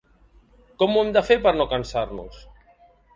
Com ho hem de fer per no cansar-nos?